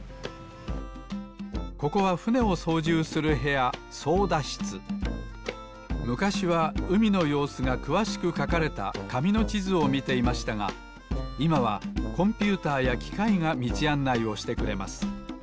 ここはふねをそうじゅうするへやむかしはうみのようすがくわしくかかれたかみのちずをみていましたがいまはコンピューターやきかいがみちあんないをしてくれます。